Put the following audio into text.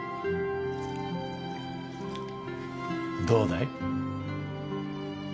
どうだい？